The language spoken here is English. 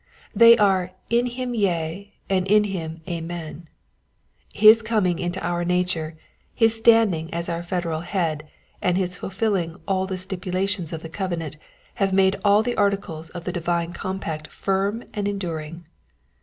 They are in him yea, and in him Amen.'* His coming into our nature, his standing as our federal Head, and his fulfilling of all the stipulations of the covenant, have made all the articles of the divine compact firm and enduring.